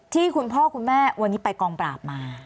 คุณพ่อคุณแม่วันนี้ไปกองปราบมา